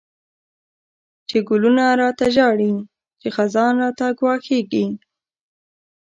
چی گلونه را ته ژاړی، چی خزان راته گواښیږی